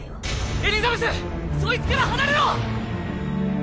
エリザベスそいつから離れろ！